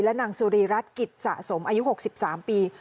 นางสุรีรัฐกิจสะสมอายุ๖๓ปี